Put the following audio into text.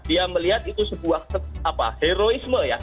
dia melihat itu sebuah heroisme